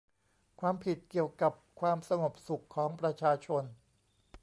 ความผิดเกี่ยวกับความสงบสุขของประชาชน